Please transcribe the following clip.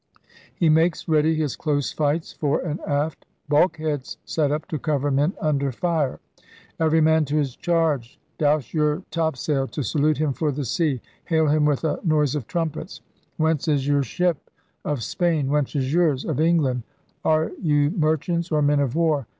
'He makes ready his close fights, fore and aft.' [Bulkheads set up to cover men under fire] ...* Every man to his charge! Dowse your top sail to salute him for the sea! Hail him with a noise of trumpets!' 'Whence is your ship?' 'Of Spain — whence is yours?* 'Of England.' *Are you merchants or men of war?'